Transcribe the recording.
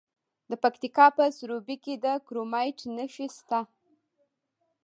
د پکتیکا په سروبي کې د کرومایټ نښې شته.